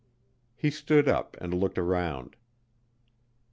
He stood up and looked around.